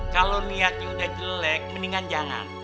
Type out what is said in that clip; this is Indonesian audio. kalau niatnya udah jelek mendingan jangan